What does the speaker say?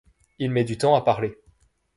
Il met du temps à parler.